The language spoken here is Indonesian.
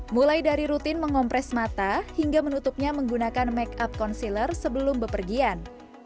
mulai dari rutin mengompres mata hingga menutupnya menggunakan make up concealer sebelum bepergian